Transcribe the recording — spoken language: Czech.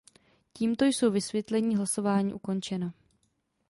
Tímto jsou vysvětlení hlasování ukončena.